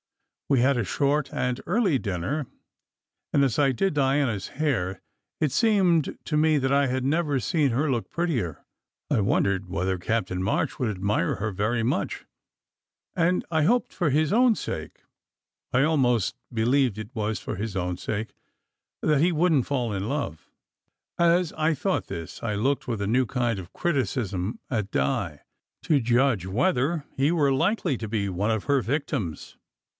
We had a short and early dinner, and as I did Diana s hair, it seemed to me that I had never seen SECRET HISTORY 33 her look prettier. I wondered whether Captain March would admire her very much, and I hoped for his own sake I almost believed it was for his own sake! that he wouldn t fall in love. As I thought this, I looked with a new kind of criticism at Di, to judge whether he were likely to be one of her victims.